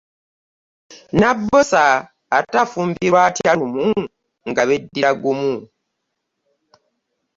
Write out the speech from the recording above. Nabbosa ate afumbirwa atya Lumu nga beddira gumu?